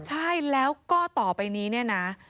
ใช่แล้วก็ต่อไปนี้เนี่ยนะ